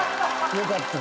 よかった。